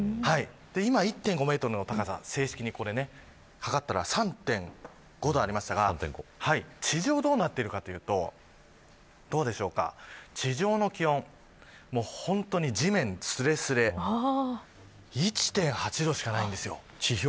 今、１．５メートルの高さで正式に測ったら３．５度ありましたが地上はどうなっているかというと地上の気温は地面すれすれ１．８度しかありません。